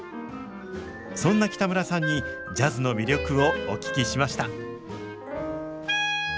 そんな北村さんにジャズの魅力をお聞きしました。